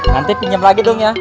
nanti pinjam lagi dong ya